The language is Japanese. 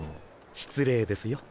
失礼ですよ。